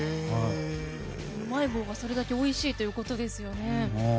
うまい棒がそれだけおいしいっていうことですよね。